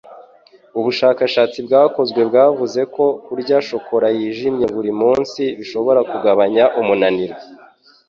Ubushakashatsi bwakozwe bwavuze ko kurya shokora yijimye buri munsi bishobora kugabanya umunaniro